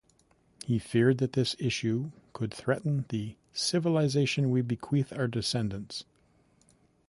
He feared that this issue could threaten the "civilization we bequeath our descendants".